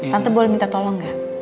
tante boleh minta tolong gak